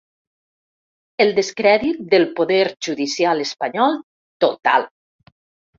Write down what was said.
El descrèdit del poder judicial espanyol, total.